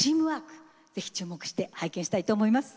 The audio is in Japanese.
是非注目して拝見したいと思います。